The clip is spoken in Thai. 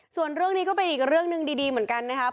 ส่วนเรื่องนี้ก็เป็นอีกเรื่องหนึ่งดีเหมือนกันนะครับ